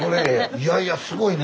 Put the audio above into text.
いやいやすごいね。